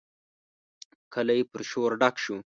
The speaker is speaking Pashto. کلی پر شور ډک شو.